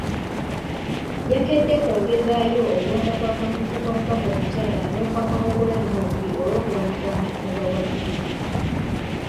Yakedde kwongezaayo okulonda kwa kamyufu k'omubaka omukyala n'okwa Mawogola North olw'okulwanagana mu bawagizi.